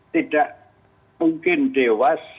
tidak mungkin dewas